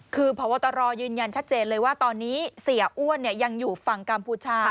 คือพบตรยืนยันชัดเจนเลยว่าตอนนี้เสียอ้วนยังอยู่ฝั่งกัมพูชา